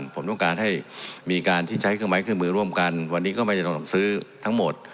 ผมต้องการให้มีการที่ใช้เครื่องไม้เครื่องมือร่วมกันวันนี้ก็ไม่จำลองซื้อทั้งหมด